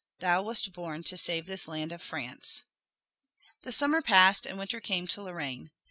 "Thou wast born to save this land of France." The summer passed and winter came to Lorraine.